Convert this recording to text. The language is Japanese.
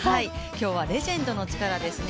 今日はレジェンドの力ですね。